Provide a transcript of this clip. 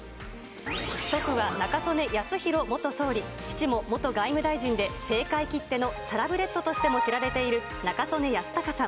祖父は中曽根康弘元総理、父も元外務大臣で、政界きってのサラブレッドとしても知られている中曽根康隆さん。